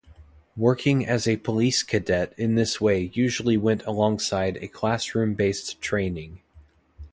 Working as a Police Cadet in this way usually went alongside a classroom-based training.